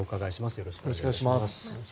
よろしくお願いします。